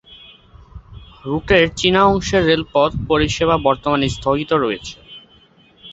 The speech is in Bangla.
রুটের চীনা অংশের রেলপথ পরিষেবা বর্তমানে স্থগিত রয়েছে।